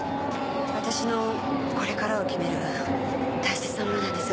私のこれからを決める大切なものなんです。